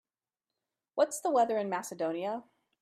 What's the weather in Macedonia